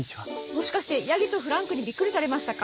もしかしてヤギとフランクにびっくりされましたか？